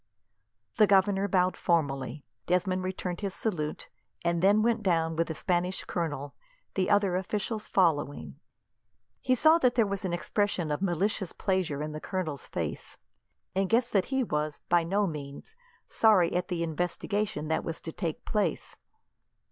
The governor bowed formally. Desmond returned his salute, and then went down with the Spanish colonel, the other officials following. He saw that there was an expression of malicious pleasure in the colonel's face, and guessed that he was, by no means, sorry at the investigation that was to take place.